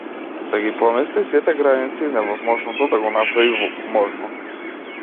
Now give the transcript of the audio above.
Да ги помести сите граници и невозможното да го направи можно.